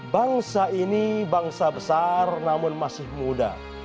bangsa ini bangsa besar namun masih muda